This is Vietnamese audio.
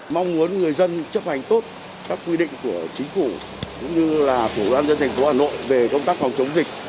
mong muốn người dân chấp hành tốt các quy định của chính phủ cũng như là của ban dân thành phố hà nội về công tác phòng chống dịch